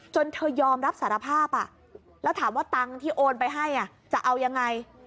เธอยอมรับสารภาพแล้วถามว่าตังค์ที่โอนไปให้จะเอายังไง